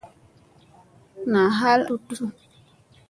Nam hal a tutta su.